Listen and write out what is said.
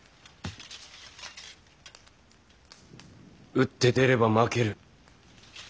打って出れば負ける。